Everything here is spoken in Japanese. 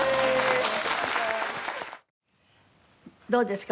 どうですか？